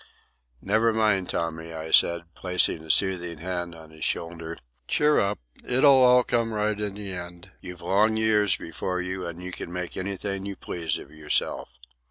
"Never mind, Tommy," I said, placing a soothing hand on his shoulder. "Cheer up. It'll all come right in the end. You've long years before you, and you can make anything you please of yourself."